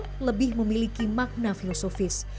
dalam suro boyo lebih memiliki makna filosofis